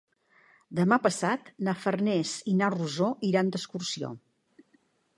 Demà passat na Farners i na Rosó iran d'excursió.